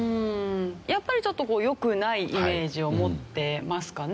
やっぱりちょっと良くないイメージを持ってますかね。